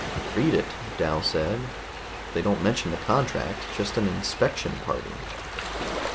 "Read it," Dal said. "They don't mention the contract, just an inspection party."